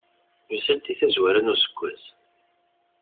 Yusa-d deg tazwara n useggas.